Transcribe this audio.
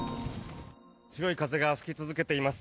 強い風が吹き続けています。